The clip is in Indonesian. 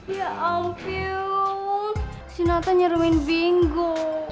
ya ampun si natan nyeremin binggo